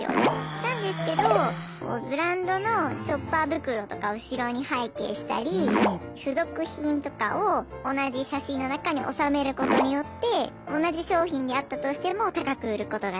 なんですけどブランドのショッパー袋とか後ろに背景したり付属品とかを同じ写真の中におさめることによって同じ商品であったとしても高く売ることができます。